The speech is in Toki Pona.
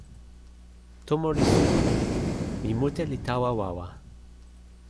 tomo li suno. mi mute li tawa wawa.